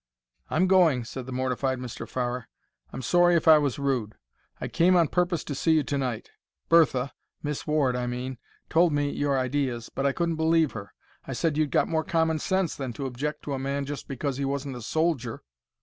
"I'm going," said the mortified Mr. Farrer. "I'm sorry if I was rude. I came on purpose to see you to night. Bertha—Miss Ward, I mean—told me your ideas, but I couldn't believe her. I said you'd got more common sense than to object to a man just because he wasn't a soldier."